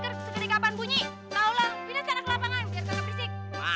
terus jadi gak nih bang kita disemut sampe sore nya